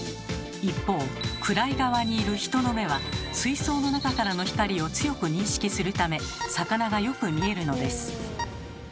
一方暗い側にいる人の目は水槽の中からの光を強く認識するため魚がよく見えるのです。